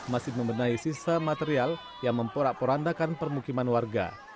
masih membenahi sisa material yang memporak porandakan permukiman warga